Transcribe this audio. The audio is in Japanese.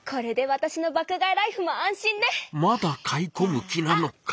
天の声まだ買いこむ気なのか。